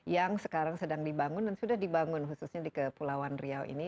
yang sekarang sedang dibangun dan sudah dibangun khususnya di kepulauan riau ini